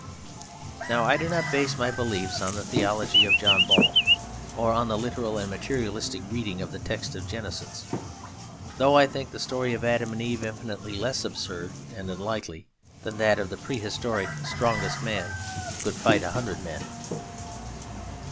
Now I do not base my beliefs on the theology of John Ball, or on the literal and materialistic reading of the text of Genesis; though I think the story of Adam and Eve infinitely less absurd and unlikely than that of the prehistoric 'strongest man' who could fight a hundred men.